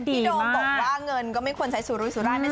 โดมบอกว่าเงินก็ไม่ควรใช้สุรุยสุราย